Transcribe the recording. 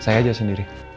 saya aja sendiri